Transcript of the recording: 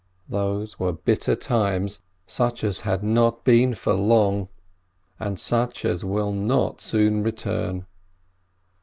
Those were bitter times, such as had not been for long, and such as will not soon return.